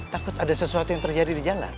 takut ada sesuatu yang terjadi di jalan